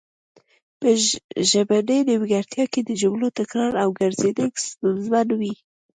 په ژبنۍ نیمګړتیا کې د جملو تکرار او ګړیدنګ ستونزمن وي